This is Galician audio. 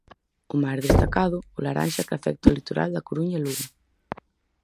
O máis destacado, o laranxa que afecta o litoral da Coruña e Lugo.